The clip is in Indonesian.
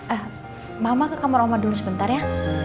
eh mama ke kamar mama dulu sebentar ya